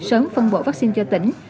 sớm phân bộ vaccine cho tỉnh